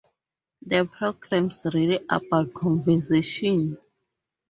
The program's really about conversation.